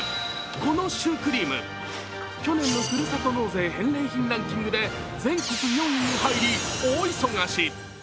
このシュークリーム、去年のふるさと納税返礼品ランキングで全国４位に入り大忙し。